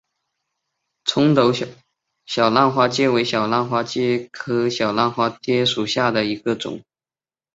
葱头小浪花介为小浪花介科小浪花介属下的一个种。